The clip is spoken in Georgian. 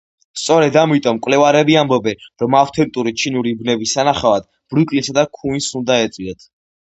სწორედ ამიტომ, მკვლევარები ამბობენ, რომ ავთენტური ჩინური უბნების სანახავად, ბრუკლინსა და ქუინსს უნდა ეწვიოთ.